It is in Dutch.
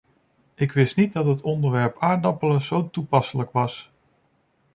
Ik wist niet dat het onderwerp aardappelen zo toepasselijk was.